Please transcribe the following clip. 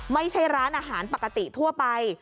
ไม่ใช่ร้านอาหารปกติทั่วไป